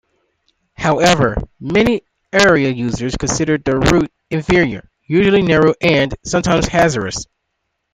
However, many area users consider the route inferior, usually narrow, and sometimes hazardous.